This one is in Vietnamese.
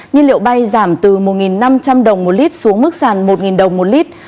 nhiên liệu bay giảm từ một năm trăm linh đồng một lít xuống mức giảm một đồng một lít